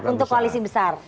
untuk koalisi besar